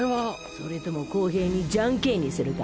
それとも公平にじゃんけんにするか？